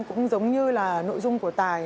cũng giống như là nội dung của tài